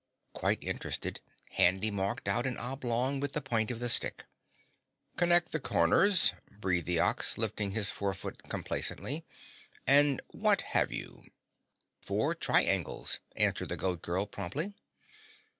Quite interested, Handy marked out an oblong with the point of the stick. "Connect the corners," breathed the Ox, lifting his forefoot complacently, "and what have you?" "Four triangles," answered the Goat Girl promptly.